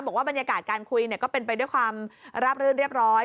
บอกว่าบรรยากาศการคุยก็เป็นไปด้วยความราบรื่นเรียบร้อย